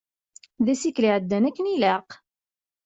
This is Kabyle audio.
D asikel iεeddan akken ilaq.